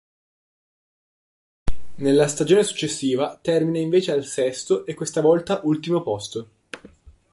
Nella stagione successiva termina invece al sesto e questa volta ultimo posto.